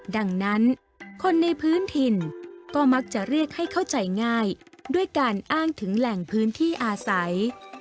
ดังนั้นคนในพื้นถิ่นก็มักจะเรียกให้เข้าใจง่ายด้วยการอ้างถึงแหล่งพื้นที่อาศัย